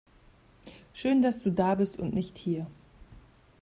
Schön dass du da bist und nicht hier!